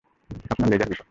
আপনার laser Beacon.